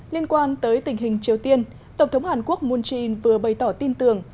liên quan tới tình hình triều tiên tổng thống hàn quốc moon jae in vừa bày tỏ tin tưởng